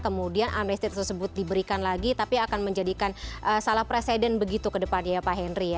kemudian amnesti tersebut diberikan lagi tapi akan menjadikan salah presiden begitu ke depannya ya pak henry